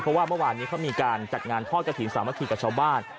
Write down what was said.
เพราะว่าเมื่อวานนี้เขามีการจัดงานทอดกระถิ่นสามัคคีกับชาวบ้าน